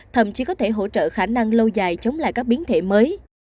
thậm chí có thể hỗ trợ khả năng lâu dài chống lại các biến thể mới